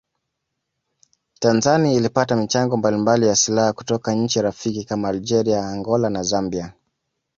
Tanzani ilipata michango mbalimbali ya silaha kutoka nchi rafiki kama Algeria Angola na Zambia